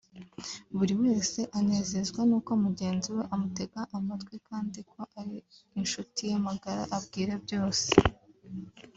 buri wese anezezwa n’uko mugenzi we amutega amatwi kandi ko ari inshuti ye magara abwira byose